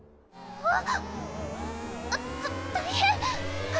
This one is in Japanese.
あっ。